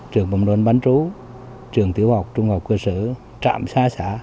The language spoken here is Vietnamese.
trường bồng đôn bán trú trường tiểu học trung học cơ sở trạm xa xã